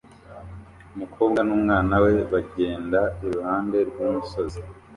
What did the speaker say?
Umukobwa n'umwana we bagenda iruhande rw'umusozi